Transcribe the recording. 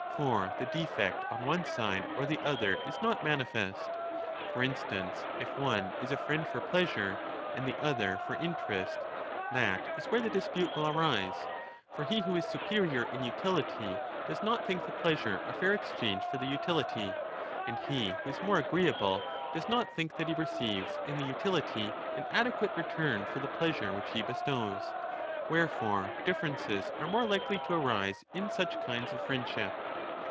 For the defect on one side or the other is 35 not manifest. For instance, if one is a friend for pleasure and the other for interest, that is where the dispute will arise. For he who is superior in utility does not think the pleasure a fair exchange for the utility, and he who is more agreeable does not think that he receives in the utility an adequate return for the pleasure which he bestows. Where 1210'' fore differences are more likely to arise in such kinds of friendship.